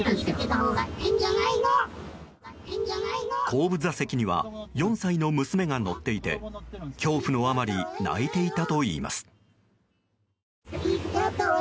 後部座席には４歳の娘が乗っていて恐怖のあまり泣いていたといいます。